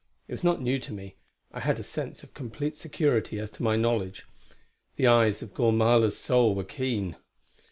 It was not new to me; I had a sense of complete security as to my knowledge. The eyes of Gormala's soul were keen!